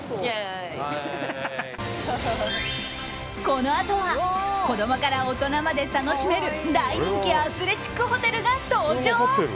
このあとは子供から大人まで楽しめる大人気アスレチックホテルが登場。